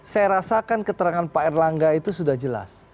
saya rasakan keterangan pak erlangga itu sudah jelas